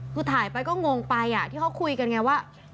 คือถ่ายไปก็งงไปที่เขาคุยกันไงว่า